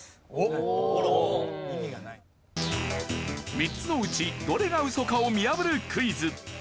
３つのうちどれがウソかを見破るクイズ。